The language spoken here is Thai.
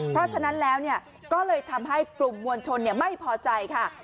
เพราะฉะนั้นแล้วก็เลยทำให้กลุ่มมวลชนไม่พอใจค่ะ